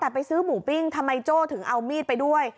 แต่ไปซื้อหมูปิ้งทำไมโจ้ถึงเอามีดไปด้วย